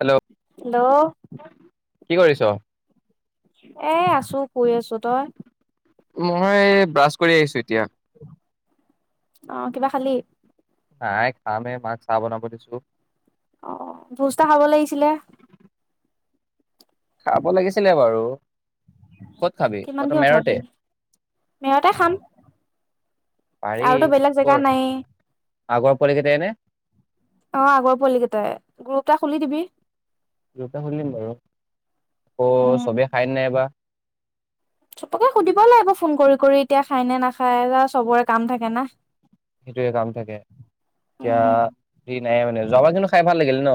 Hello hello কি কৰিছ এ আছো পৰি আছো তই মই ব্ৰাছ কৰি আহিছো এতিয়া অহ কিবা খালি নাই খামেই মাক চাহ বনাব দিছো অ ভোজ্তা খাব লাগিছিলে খাব লাগিছিলে বাৰু ক'ত খাবি তহঁতৰ কিমানকে মেৰতে উঠাবি মেৰতে খাম পাৰি আৰুতো বেলেগ কৰ জেগা নাই আগৰ পোৱালি কেইটাইনে অ আগৰ পোৱালি কেইটাই গ্ৰুপটা খুলি দিবি দুটা খুলিম বাৰু অ উম চবে খাই নাই বা চবকে সুধিব লাগিব ফোন কৰি কৰি এতিয়া খাই নে নাখায় চবৰে কাম থাকে না সেইটোয়ে কাম থাকে উম এতিয়া নাই মানে যোৱাবাৰ কিন্তু খাই ভাল লাগিলে ন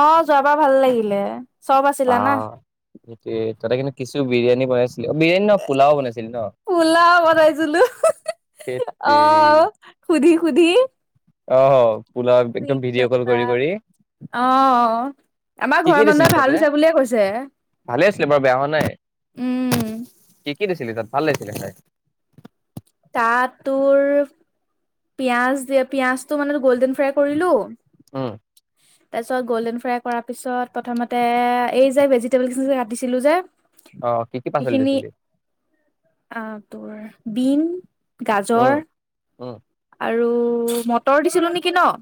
অ যোৱাবাৰ ভাল লাগিলে চব অ আছিলা না সেইটোৱই কিছু বিৰিয়ানী বনাইছোঁ। ফোলা বনাইছিলো ধেত অ তেৰি সুধি। সুধি। অ। কি কতা, অ আমাৰ কি কি ঘৰৰ দিছিলি মানুহে তাতে ভাল হৈছে বুলিয়ে কৈছে। ভালে আছিলে বাৰ বেয়া হোৱা নাই। উম। কি কি দিছিলে তাত ভাল লাগিছিলে খাই। তাত তোৰ। পিয়াজ দিয়া, পিয়াজটো মানে গ'ল্ডেন ফ্ৰাই কৰিলো। অ। তাৰ পিছত গল্ডেন ফ্ৰাই কৰাৰ পিছত প্ৰথমতে এই যে ভেজিটেবল কাটিছিলো যে। অ কি কি পাচলি সেইখিনি দিছিলি? আহ তোৰ। বিন। গাজৰ উম উম। আৰু মটৰ দিছিলো নেকি ন।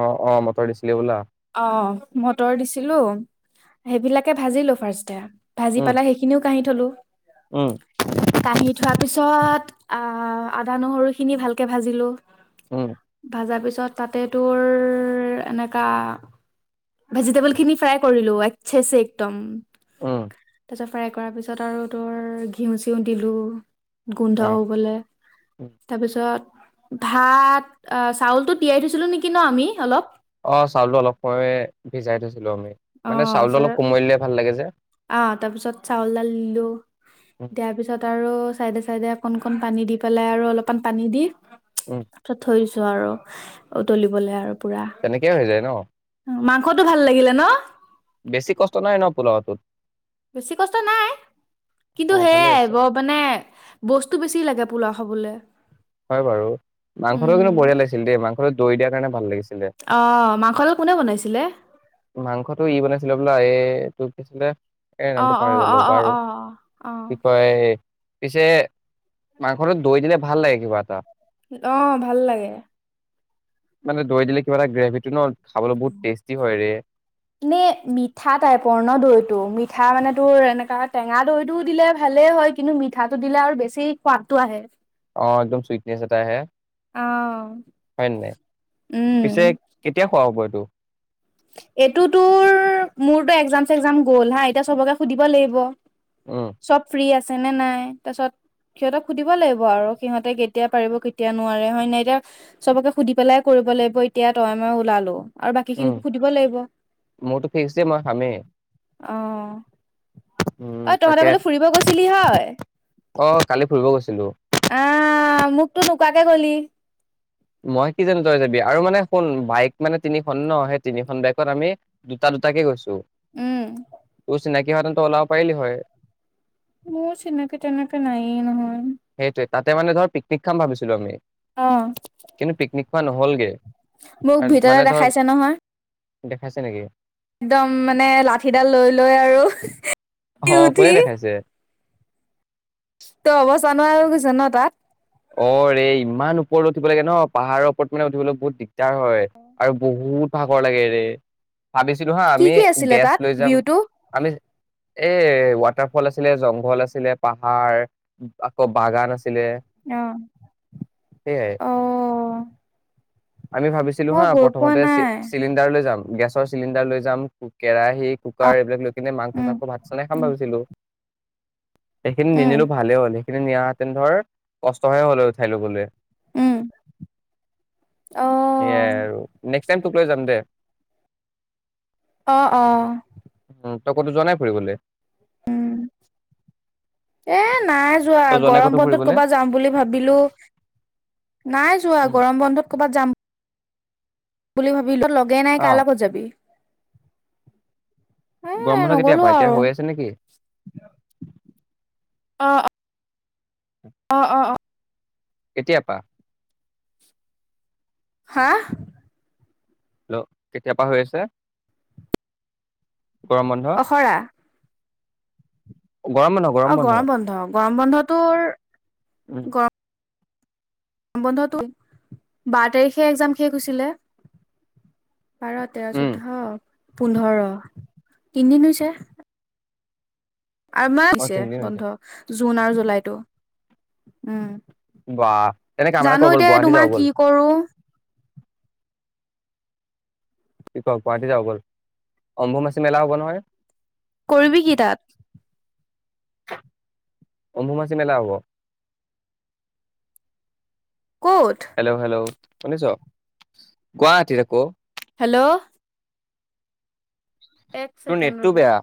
অ অ মটৰ দিছিলি বোলা। অঁ মটৰ দিছিলোঁ, ‌ সেইবিলাকে ভাজিলোঁ ফাৰ্ষ্টে। ভাজি উম পালা সেইখিনি কাহিত। থলো। উম কাহি থোৱাৰ পিছত। আ' আদা নহৰু খিনি ভালকে ভাজিলো। উম ভাজা পিছত। তাতে তোৰ এনেকা। ভেজিটেবল খিনি ফ্ৰাই কৰিলো ৱাইছে একদম। ওম তাৰপিছত ফ্ৰাই কৰাৰ পিছত আৰু তোৰ ঘিউ চিউ দিলোঁ। অ গোন্ধ হবলে উম। তাৰপিছত। ভাত অ চাউলতটো তিয়াই থৈছিলো নেকি ন আমি অলপ। অ চাউলটো অলপ সময় ভিজাই থৈছিলোঁ। আমি মানে চাউলটো অলপ কোমলিলে ভাল লাগে যে। অআ তাৰ পিছত চাউল ধালিলো উম দিয়াৰ পিছত আৰু। উ চাইডে চাইডে অকন কণ পানী দি পেলাই আৰু অলপমান পানী দি। উম তছ থৈছো। আৰু উতলিবলৈ আৰু। তেনেকেই হৈ যায় ন? কতো ভাল লাগিলে ন? বেছি কষ্ট নাই ন পোলওটোত? বেছি কষ্ট নাই অ কিন্তু ভালে সেয়াই আছে গব মানে। বস্তু বেছি লাগে পোলাও খাবলে। হয় বাৰু মাংসটোও উম কিন্তু বঢ়িয়া লাগিছিল দেই মাংস। অৰু দৈ দিয়াৰণে ভাল লাগিছে। আহ মাংস আলো কোনে বনাইছিলে। মাংসটো ই বনাইছিলে বোলা এই তোৰ কিছিলে এ অ নামটো অ পাহৰি গলো অ অ বাৰু অ অ কি কয় এ- পিছে মাংসটো দৈ দিলে ভাল লাগে কিবা এটা অ ভাল লাগে মানে দৈ দিলে কিবা এটা গ্ৰেভিটো ন- খাবলৈ বহুত টেষ্টি হয় ৰে নে মিঠা টাইপৰ ন দৈ টো মিঠা মানে তোৰ এনেকা টেঙা দৈ টো দিলে ভালেই হয় কিন্তু মিঠাটো দিলে আৰু বেছি সোৱাদটো আহে। অ একদম চুইটনেচ এটা আহে অ হয় নে নাই উম পিছে কেতিয়া খোৱা হ'বই তো এইটো তোৰ মোৰতো এক্সজাম চেক্সজাম গ'ল হা এতিয়া চবকে সুধিব লাগিব উম চব ফ্ৰী আছে আছে নে নাই তাৰপিছত সিহঁতক সুধিব লাগিব আৰু সিহঁতে কেতিয়া পাৰিব কেতিয়া নোৱাৰে হয় নাই এতিয়া চবকে সুধি পেলাই কৰিব লাগিব এতিয়া তই মই ওলালো আৰু বাকী উম খিনি মোৰতো ফিক্স যে মই খামেই । আহ। উম তাকে হয় অ কালি ফুৰিব গৈছিলো। আহ মোকতো নোকোৱাকে গলি। মই কি জানো তই যাবি আৰু মানে শুন বাইক মানে তিনিখন ন সেই তিনিখন বাইকত আমি দুটা দুটাকে গৈছো। উম তো চিনাকি। কি সাধনত ওলাব পাৰিলি হয়। মোৰ চিনাকে তেনেকে নায়ে নহয়। সেইটোৱে তাতে মানে ধৰ পিকনিক খাম ভাবিছিলো আমি। আহ। কিন্তু পিকনিক খোৱা নহ'লগে। মোক ভিদিঅ তে মানে ধৰ দেখাইছে নহয়। দেখাইছে নেকি। একদম মানে লাঠিডাল লৈ লৈ আৰু। উঠি অ কোনে দেখাইছে। তই অৱস্থা ন হৈ গৈছে তাত। অ ৰে ইমান ওপৰলৈ উঠিব লাগে ন পাহাৰৰ ওপৰত মানে উঠিবলৈ বহুত দিগদাৰ হয় আৰু বহুত ভাগৰ লাগে ৰে। ভাবিছিলো হা কি আমি কি আছিলে গেছ তাত লৈ যাম ভিউটো আমি। এ ৱাটাৰ ফল আছিলে জংঘল আছিলে পাহাৰ আকৌ বাগান আছিলে। আহ, সেয়াই অ। আমি ভাবিছিলো মই হা গৈ পোৱা প্ৰথমতে নাই চিলিণ্ডাৰ লৈ যাম গেছ। চিলিনডাৰ লৈ যাম কেৰাহী, অ কুকাৰ এইবিলাক লৈ যাম। কিনে মাংস উম চাংস ভাত বনাই খাম উম ভাবিছিলো। সেইখিনি উম নিনিলো ভালে হ'ল সেইখিনি নিয়া তেন ধৰ কষ্টহে হ'ল উঠাই লবলৈ। উম অ সেয়াই আৰু নে নেক্স টাইম টোক লৈ যাম দে। অঁ অঁ। উম, তই ক'তো জনাই ফুৰিবলৈ? উম, এ নাই যোৱা তই নাই ক'তো গৰম বন্ধত ফুৰিবলে? কৰ'বাত যাম বুলি ভাবিলো নাই যোৱা উম। গৰম বন্ধত ক'বাত যাম। বুলি ভাবি বিলত লগেই নাই অ কাৰ লগত যাবি? এ গৰম বন্ধ কেতিয়াৰ নগলো পা এতিয়া আৰু হৈ আছে নেকি? অ', অ, অ, অ । কেতিয়া পা? হা। হেল্ল' কেতিয়া পৰা হৈ আছে? গৰম বন্ধ? অখৰা। গৰম বন্ধ, গৰম বন্ধ। গৰম বন্ধটোৰ উম। বন্ধটো বাৰ তাৰিখে এক্সাম শেষ হৈছিলে। বাৰ তেৰ উম চৈদ্ধ পোন্ধৰ, তিনিদিন হৈছে। আৰু ইমান অ হৈছে তিনদিন বন্ধ জুন আৰু জুলাইতটো। উম বাহ তেনে কাম । এটা কৰো জানো ব'ল এতিয়া গুৱাহাটী যাওঁ তোমাৰ ব'ল। কি কৰো। কি ক গুৱাহাটী যাও ব'ল । কৰিবি কি তাত। অম্বুবাচী মেলা হ'ব। ক'ত হেল্ল' হেল্ল' শুনিছ গুৱাহাটীৰে ক হেল্ল' এক তোৰ ছেকেণ্ড নেটটো ৰবি বেয়া।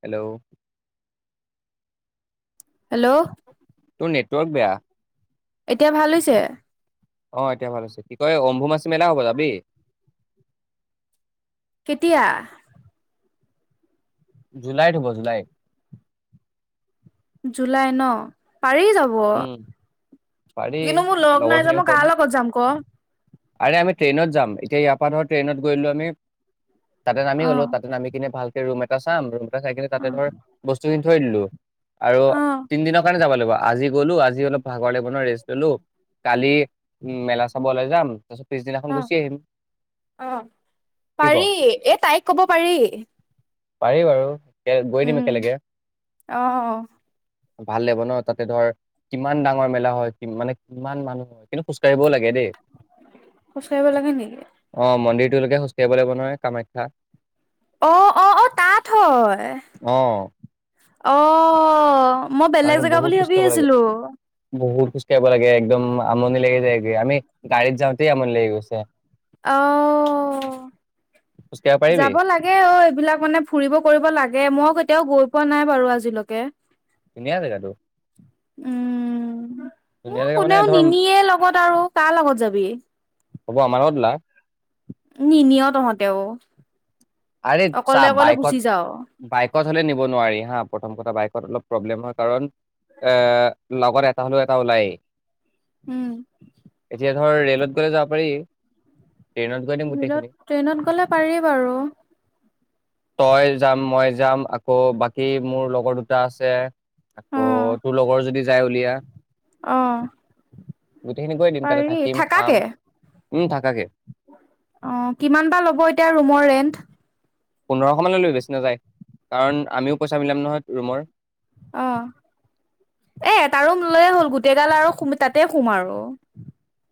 হেল্ল' হেল্ল' তোৰ নেটৱৰ্ক বেয়া এতিয়া ভাল হৈছে। অ এতিয়া ভাল হৈছে কি কয় অম্বোমাছ মেলা হ'ব যাবি। কেতিয়া জুলাইত হব জুলাইত। জুলাই ন। পাৰি যাব উম পাৰি কিন্তু মোৰ লগ লগৰ নাই যে খিনিকো মই কম। কাৰ লগত যাম ক। আৰে আমি ট্ৰেইনত যাম এতিয়া ইয়াৰ পৰা ধৰ ট্ৰেইনত গৈলো আমি তাতে নামি গলো তাতে নামি কিনে ভাল ৰুম এটা চাম ৰুম খাই কিনে অ তাতে ধৰ বস্তুখিনি। থৈ দিলোঁ। আৰু অ তিন দিনৰ কাৰণে যাব লাগে। আজি গলো আজি অলপ ভাগৰ লাগিব ন ৰেষ্ট ললো কালি। মেলা চাব ওলাই যাম। তাৰ পাছত আহ আহ কি ক পাৰি এ তাইক কব পাৰি। পাৰি বাৰু এ গৈ দিম উম একেলগে অ ভাল লাগিব ন। তাতে ধৰ কিমান ডাঙৰ মেলা হয় কি মানে কিমান মানুহ হয় কিন্তু খোজ কাঢ়িবও লাগিব খোজকাঢ়িব লাগে নেকি অ মন্দিৰ লোকে খোজকাঢ়িব লাগিব নহয় কামাখ্যা অ অ অ তাত হয়। অ অ মই বেলেগ তালৈকে জেগা বুলি ভাবি আছিলো। খোজ কঢ়িব লাগে একদম আমনি লাগি যায়গৈ আমি গাড়ীত যাওঁতে আমনি লাগি গৈছে। অ খোজকাঢ়িব পাৰিবি যাব লাগে অ এইবিলাক মানে ফুৰিব কৰিব লাগে মই তেওঁ গৈ পোৱা নাই বাৰু আজিলৈকে। ধুনিয়া জেগাটো উম ধুনীয়া মোক জেগা মানে কোনেও ধৰ নিনিয়ে লগত আৰু কাৰ লগত যাবি। হ'ব আমাৰ লগত উলা। নি নিয়তহঁতেও। আৰে চা বাইকত বাইকত হ'লে নিব নোৱাৰি হা। প্ৰথম কথা বাইকত অলপ প্ৰব্লেম হয় কাৰণ এ লগৰ এটা। এটা হলেও এটা ওলাই। উম। ধৰ ৰেলত গ'লে যাব পাৰি। ট্ৰেইনত গৈ দিম বিত গোটেইখিনি ট্ৰেইনত গ'লে পাৰি বাৰু। তই যাম মই যাম আকৌ বাকী মোৰ লগৰ দুটা আছে আকৌ অ', তোৰ লগৰ যদি যাই উলিয়া। অ গোটেইখিনি গৈ দিম তাতে পাৰি থাকিম খাম থাকাকে উম থাকাকে অ কিমান বা ল'ব এতিয়া ৰুমৰ ৰেন্ট। পোন্ধৰশ মানলৈ লৈ বেচি নাযায় কাৰণ আমিও পইচা মিলাম নহয় ৰুমৰ। অ এ তাৰো লৈ হ'ল গোটেই গাল আৰু তাতে সোম আৰু।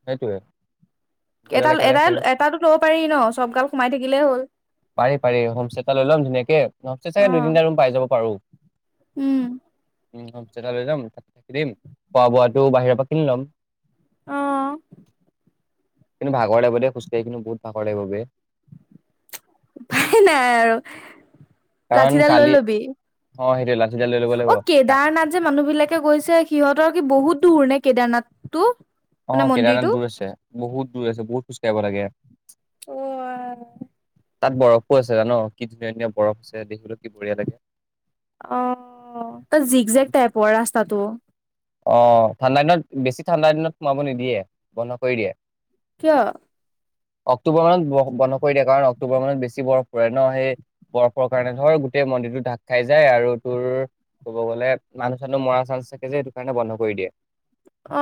সেইটোৱে। গোটেইগাল এটাল একেলগে এটাই ফুৰিম। এটা তো ল'ব পাৰি ন চব গাল সোমাই থাকিলেই হ'ল। পাৰি পাৰি হোমষ্ট এটা লম ধুনীয়াকে হোম চাগে দুই অ', তিনিটা ৰুম পাই যাব পাৰো। উম। উ হোষ্টটা লৈ যাম থাকিম খোৱা বোৱাটো বাহিৰৰ পৰা কিনি ল'ম। অ । কিন্তু ভাগৰ লাগিব দ খোজকাঢ়ি কিন্তু বহুত ভাগৰ লাগিব বে। উপাই নাই আৰু কাৰণ লাঠিডাল লৈ কালি ল'বি সেইটোৱে লাঠিডাল লৈ ল'ব লাগিব অ কা- কেদাৰনাথ যে মানুহ বিলাকে গৈছে সিহঁতৰ কি বহুত দূৰ নে কেদাৰনাথ। তো। অ কেৰানাত দূৰ আছে। বহুত দূৰ আছে বহুত খোজ কঢ়িব লাগে। অ আ তাত বৰফো আছে জান কি ধুনীয়া ধুনীয়া বৰফ আছে দেখিবো কি বঢ়িয়া লাগে। অ তাত জিক জেক টাইপৰ ৰাস্তাটো। অ ঠাণ্ডা দিনত বেছি ঠাণ্ডা দিনত সোমাব নিদিয়ে বন্ধ কৰি দিয়ে। কিয় অক্টোবৰ বন্ধ কৰি দিয়ে কাৰণ অক্টোবৰ মানত বেছি বৰফ পৰে ন সেই বৰফৰ কাৰণে ধৰ গোটেই মন্দিৰটো ঢাক খাই যায় আৰু তোৰ কব গ'লে মানুহ চানুহ মৰা চান্স থাকে যে কাৰণে বন্ধ কৰি দিয়ে।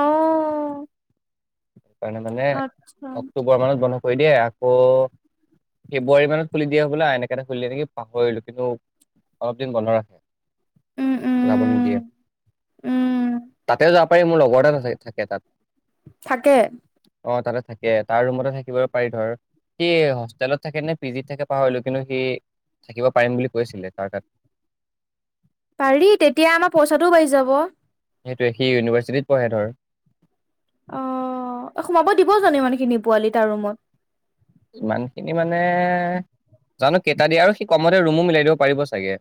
অ', কাৰণে মানে আচ্ছা। অক্টোবৰ মানত বন। ক দে অ ফেব্ৰুৱাৰী মানত খুলি দিয়া হ লে এনেকে খুলি দিয়ে নেকি পাহৰিলো কিন্তু অলপ দিন বন্ধ ৰাখে। উম, ৰাবনক দিয়া উম, উম, [inaudible] তাতে যা মোৰ লগৰ থাকে তাত। থাকে অ তাতে থাকে তাৰ ৰুমতে থাকিব পাৰি ধৰ সি হোষ্টেলত থাকে নে পিজিত থাকে পাহৰিলোঁ কিন্তু সি থাকিব পাৰিম বুলি কৈছিলে তাৰ তাত। পাৰি তেতিয়া আমাৰ পইচাটোও বাচি যাব। সেইটোৱে সি ইউনিভাৰ্চিটিত পঢ়ে ধৰ। অ সোমাব দিব জানো ইমানখিনি পোৱালি তাৰ ৰুমত। ইমানখিনি মানে জানো কেইটা দিয়ে আৰু সি কমতে ৰুমো মিলাই দিব পাৰিব চাগে।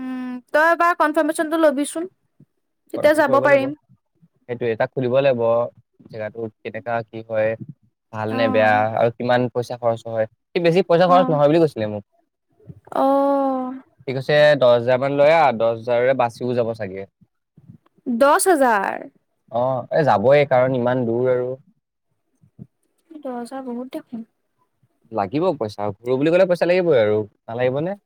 উম তইবাৰ কনফাৰ্মেচনটো লবিচোন। তেতিয়া কনফ যাব কৰিব লাগিব পাৰিম। সেইটোয়ে তাক খুলিব লাগিব। জেগাটো কেনেকা। কি হয় ভাল নে বেয়া অ'। আৰু কিমান। পইচা খৰচ হয়। বেছি পইচা খৰচ অ', নহয় বুলি কৈছিলে মোক অ সি কৈছে। দহ হাজাৰ মান লৈ আহ দহ হাজাৰৰে বাচিও যাব চাগে। দছ হাজাৰ। অ এ যাবই কাৰণ ইমান দূৰ আৰু। দহ হাজাৰ বহুত দেখোন। লাগিব পইচা ঘুৰো বুলি ক'লে পইচা লাগিবই আৰু নালাগিবনে।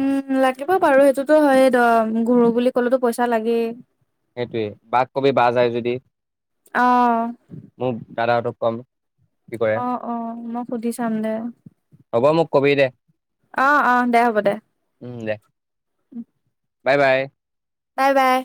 উম লাগিব বাৰু সেইটোতো হয়দম ঘূৰো বুলি কলেতো পইচা লাগেই। সেইটোয়ে বাক কবি বা যায় যদি। আহ মোৰ দাদাহঁতক কম কি কৰে অহ অ মই সুধি চাম দে। হ'ব মোক কবি দে অহ অহ দে হ'ব দে। উম দে বাই বাই বাই বাই।